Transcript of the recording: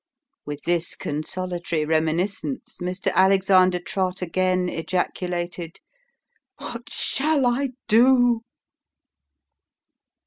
With this consolatory reminiscence Mr. Alexander Trott again ejaculated, "What shall I do?"